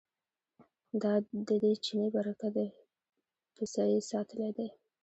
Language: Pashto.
دا ددې چیني برکت دی پسه یې ساتلی دی.